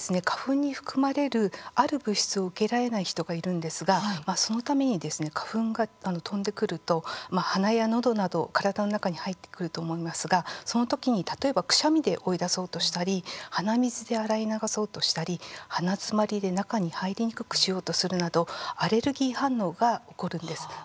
花粉に含まれる、ある物質を受け入れられない人がいるんですがそのために花粉が飛んでくると鼻や、のどなど体の中に入ってくると思いますがそのときに、例えばくしゃみで追い出そうとしたり鼻水で洗い流そうとしたり鼻詰まりで中に入りにくくしようとするなどアレルギー反応が起こるんです。